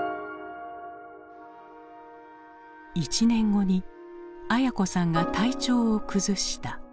１年後に文子さんが体調を崩した。